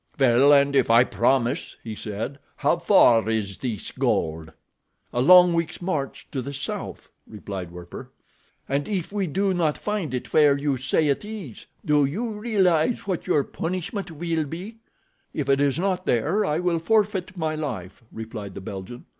"Well, and if I promise," he said. "How far is this gold?" "A long week's march to the south," replied Werper. "And if we do not find it where you say it is, do you realize what your punishment will be?" "If it is not there I will forfeit my life," replied the Belgian.